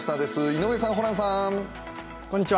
井上さん、ホランさん。